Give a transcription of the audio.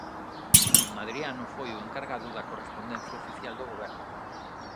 Con Hadriano foi o encargado da correspondencia oficial do goberno.